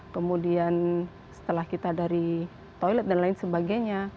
kemudian setelah kita dari toilet dan lain sebagainya